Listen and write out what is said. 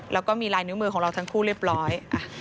แล้วก็มีลายนิ้วมือของเราทั้งคู่เรียบร้อย